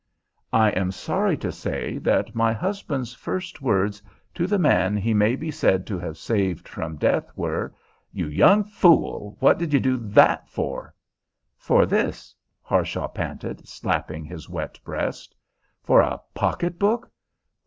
I am sorry to say that my husband's first words to the man he may be said to have saved from death were, "You young fool, what did you do that for?" "For this," Harshaw panted, slapping his wet breast. "For a pocket book!